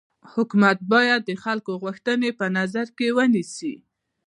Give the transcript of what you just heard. حکومت باید د خلکو غوښتني په نظر کي ونيسي.